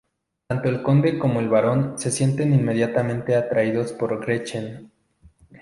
Tanto el conde como el barón se sienten inmediatamente atraídos por Gretchen.